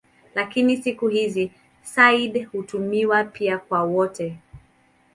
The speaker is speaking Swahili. Lakini siku hizi "sayyid" hutumiwa pia kwa wote.